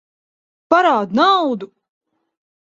Parādi naudu!